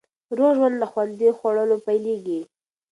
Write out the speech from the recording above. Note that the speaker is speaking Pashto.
روغ ژوند له خوندي خوړو پیلېږي.